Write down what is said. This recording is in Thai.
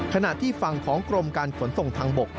ขณะที่ฝั่งของกรมการขนส่งทางบก